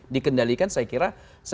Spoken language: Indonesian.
dikendalikan saya kira